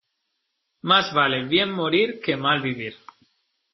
Más vale bien morir que mal vivir.